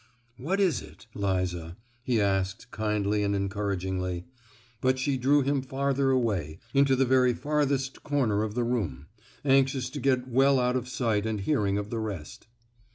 "What is it, Liza?" he asked, kindly and encouragingly; but she drew him farther away,—into the very farthest corner of the room, anxious to get well out of sight and hearing of the rest.